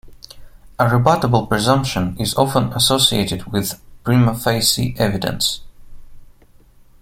A rebuttable presumption is often associated with "prima facie" evidence.